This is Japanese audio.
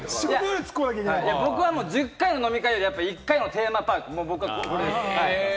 僕は１０回の飲み会より、１回のテーマパーク。